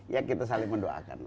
ya kita saling mendoakan